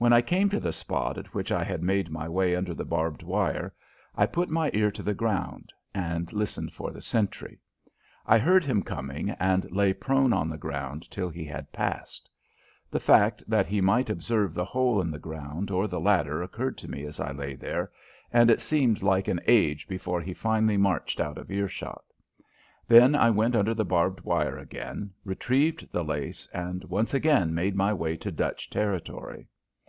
When I came to the spot at which I had made my way under the barbed wire I put my ear to the ground and listened for the sentry. I heard him coming and lay prone on the ground till he had passed. The fact that he might observe the hole in the ground or the ladder occurred to me as I lay there, and it seemed like an age before he finally marched out of earshot. Then I went under the barbed wire again, retrieved the lace, and once again made my way to Dutch territory.